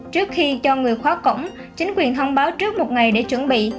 trước khi cho người khóa cổng chính quyền thông báo trước một ngày để chuẩn bị